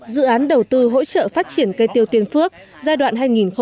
dự án đầu tư hỗ trợ phát triển cây tiêu tiên phước giai đoạn hai nghìn một mươi bốn hai nghìn một mươi tám